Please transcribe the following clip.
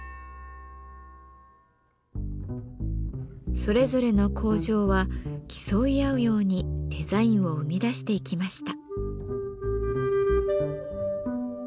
それぞれの工場は競い合うようにデザインを生み出していきました。